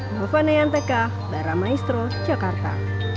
nelfon nayantaka baramaestro jakarta